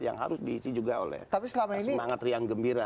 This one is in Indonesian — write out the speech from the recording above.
yang harus diisi juga oleh semangat riang gembira